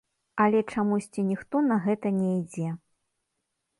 Але чамусьці ніхто на гэта не ідзе.